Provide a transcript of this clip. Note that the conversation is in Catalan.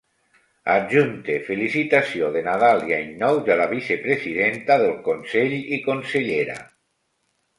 Adjunte felicitació de Nadal i Any Nou de la vicepresidenta del Consell i consellera.